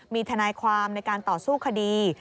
มีทนายความในการต่อสู้คดี